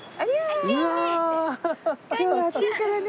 今日は暑いからね。